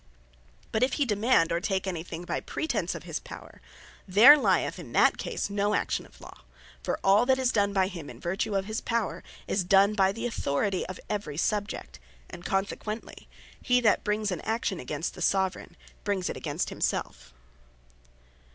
But if he demand, or take any thing by pretence of his Power; there lyeth, in that case, no action of Law: for all that is done by him in Vertue of his Power, is done by the Authority of every subject, and consequently, he that brings an action against the Soveraign, brings it against himselfe.